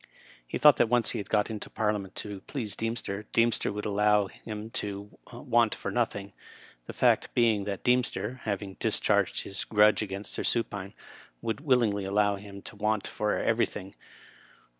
He thought that once he had got into Parliament to please Deemster, Deemster would allow him to want for nothing ; the fact being that Deemster, having discharged his grudge against Sir Supine, would willingly allow him to want for everything.